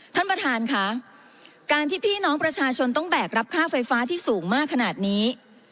ท่านประธานค่ะการที่พี่น้องประชาชนต้องแบกรับค่าไฟฟ้าที่สูงมากขนาดนี้